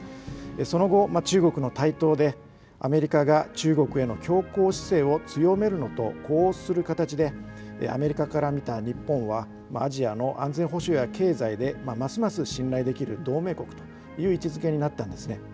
その後、中国の台頭でアメリカが中国への強硬姿勢を強めるのと呼応する形でアメリカから見た日本はアジアの安全保障や経済でますます信頼できる同盟国という位置づけになったんです。